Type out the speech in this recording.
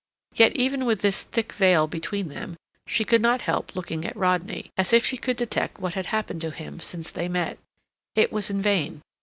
Yet, even with this thick veil between them, she could not help looking at Rodney, as if she could detect what had happened to him since they met. It was in vain.